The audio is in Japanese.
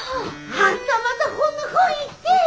あんたまたほんなこん言って！